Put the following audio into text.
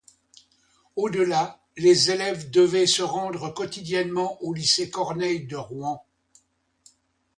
Au-delà, les élèves devaient se rendre quotidiennement au lycée Corneille de Rouen.